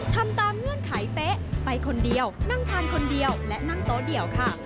ทำตามเงื่อนไขเป๊ะไปคนเดียวนั่งทานคนเดียวและนั่งโต๊ะเดียวค่ะ